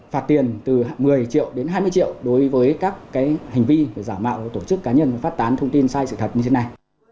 phạt tiền từ một mươi triệu đến hai mươi triệu đối với các hành vi giả mạo tổ chức cá nhân phát tán thông tin sai sự thật như thế này